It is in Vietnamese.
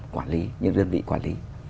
quản lý những đơn vị quản lý